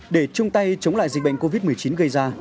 để chung tay chống lại dịch bệnh covid một mươi chín gây ra